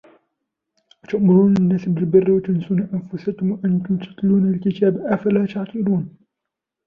أتأمرون الناس بالبر وتنسون أنفسكم وأنتم تتلون الكتاب أفلا تعقلون